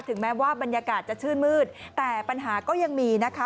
แม้ว่าบรรยากาศจะชื่นมืดแต่ปัญหาก็ยังมีนะคะ